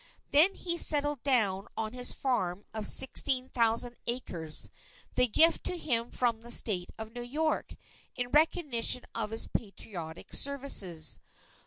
Then he settled down on his farm of sixteen thousand acres, the gift to him from the State of New York, in recognition of his patriotic services.